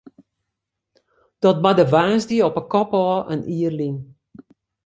Dat barde woansdei op 'e kop ôf in jier lyn.